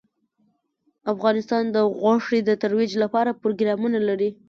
افغانستان د غوښې د ترویج لپاره پروګرامونه لري.